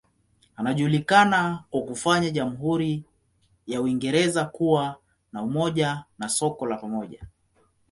Anajulikana kwa kufanya jamhuri ya Uingereza kuwa na umoja na soko la pamoja.